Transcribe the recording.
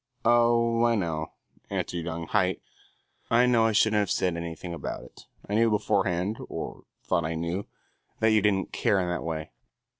"Oh, I know," answered young Haight. "I know I shouldn't have said anything about it. I knew beforehand, or thought I knew, that you didn't care in that way."